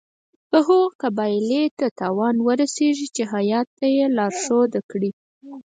که هغو قبایلو ته تاوان ورسیږي چې هیات ته یې لارښودنه کړې.